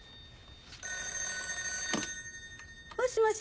☎もしもし。